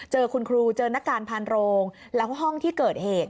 เจอคุณครูเจอนักการพานโรงแล้วห้องที่เกิดเหตุ